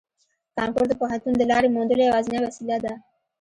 کانکور د پوهنتون د لارې موندلو یوازینۍ وسیله ده